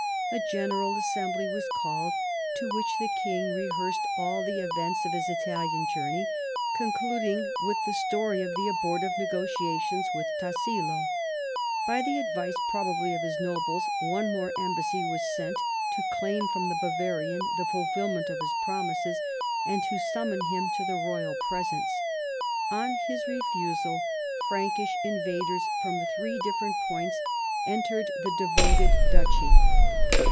A general assembly was called, to which the king rehearsed all the events of his Italian journey, concluding with the story of the abortive negotiations with Tassilo, By the advice probably of his nobles, one more em bassy was sent to claim from the Bavarian the fulfil ment of his promises and to summon him to the royal presence. On his refusal, Prankish invaders from three different points entered the devoted duchy.